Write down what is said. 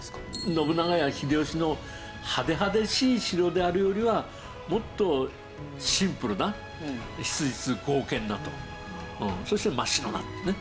信長や秀吉の派手派手しい城であるよりはもっとシンプルな質実剛健なとそして真っ白なっていうね。